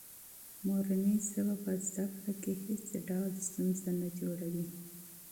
مورنۍ ژبه په زده کړه کې هېڅ ډول ستونزه نه جوړوي.